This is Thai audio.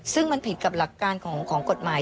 ซึ่งมันผิดกับหลักการของกฎหมาย